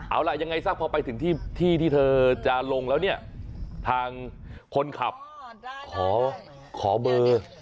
เอาล่ะยังไงซะพอไปถึงที่ที่เธอจะลงแล้วเนี่ยทางคนขับขอเบอร์